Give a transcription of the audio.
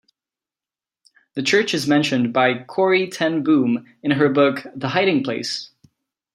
The church is mentioned by Corrie ten Boom in her book, The Hiding Place.